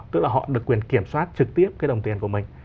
tức là họ được quyền kiểm soát trực tiếp cái đồng tiền của mình